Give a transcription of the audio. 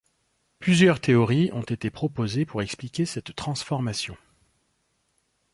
Plusieurs théories ont été proposées pour expliquer cette transformation.